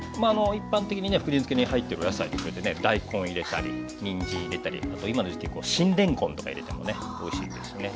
一般的にね福神漬に入ってるお野菜大根入れたりにんじん入れたりあと今の時期新れんこんとか入れてもねおいしいですね。